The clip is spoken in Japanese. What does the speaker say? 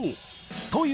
という